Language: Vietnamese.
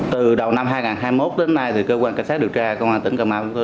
từ đầu năm hai nghìn hai mươi một đến nay cơ quan cảnh sát điều tra công an tỉnh cà mau